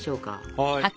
はい。